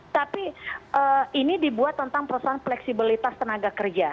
tapi ini dibuat tentang persoalan fleksibilitas tenaga kerja